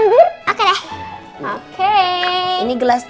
boleh dip geezbahn